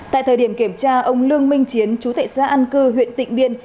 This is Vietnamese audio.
tại thời điểm kiểm tra ông lương minh chiến chú tệ xã an cư huyện tịnh biên